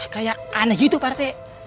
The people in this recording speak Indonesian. kayak aneh gitu pak rt